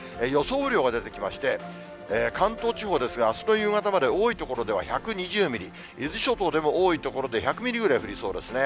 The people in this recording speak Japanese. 雨量が出てきまして、関東地方ですが、あすの夕方まで、多い所では１２０ミリ、伊豆諸島でも多い所で１００ミリぐらい降りそうですね。